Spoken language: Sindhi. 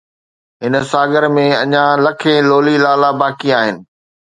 هن ساگر ۾ اڃا لکين لولي لالا باقي آهن